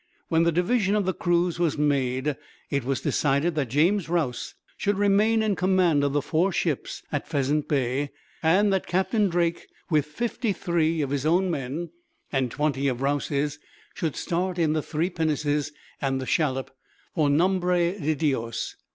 When the division of the crews was made, it was decided that James Rause should remain in command of the four ships at Pheasant Bay; and that Captain Drake, with fifty three of his own men and twenty of Rause's, should start in the three pinnaces and the shallop for Nombre de Dios.